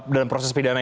dan proses pidana itu